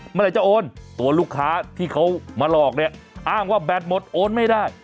เมื่อไหร่จะโอนตัวลูกค้าที่เขามาหลอกเนี่ยอ้างว่าแบตหมดโอนไม่ได้